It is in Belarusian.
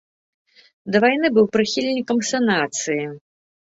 Да вайны быў прыхільнікам санацыі.